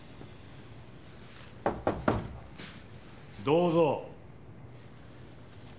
どうぞ。